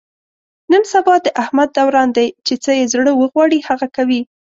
نن سبا د احمد دوران دی، چې څه یې زړه و غواړي هغه کوي.